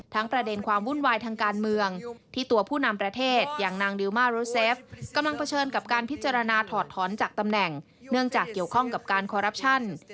ประเด็นความวุ่นวายทางการเมืองที่ตัวผู้นำประเทศอย่างนางดิวมารุเซฟกำลังเผชิญกับการพิจารณาถอดถอนจากตำแหน่งเนื่องจากเกี่ยวข้องกับการคอรัปชั่น